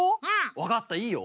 わかったいいよ。